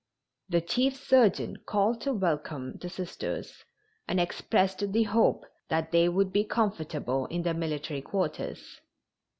The chief surgeon called to welcome the Sisters and expressed the hope that they would be comfortable in their military quarters.